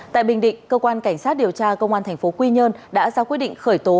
tại bình định cơ quan cảnh sát điều tra công an thành phố quy nhơn đã ra quyết định khởi tố